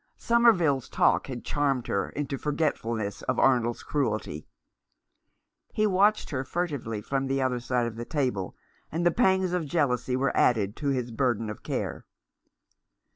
Somerville's talk had charmed her into forgetfulness of Arnold's cruelty. He watched her furtively from the other 372 The Enemy and Avenger. side of the table, and the pangs of jealousy were added to his burden of care.